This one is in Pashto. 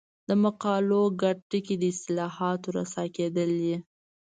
د مقالو ګډ ټکی د اصطلاحاتو رسا کېدل دي.